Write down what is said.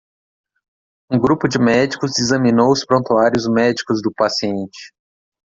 Um grupo de médicos examinou os prontuários médicos do paciente.